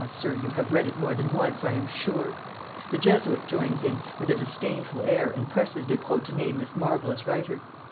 sir, you have read it more than once, I am sure.' The Jesuit joins in, with a disdainful air, and presses Despreaux to name this marvellous writer.